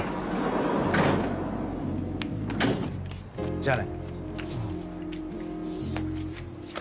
じゃあね。